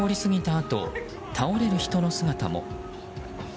あと倒れる人の姿も。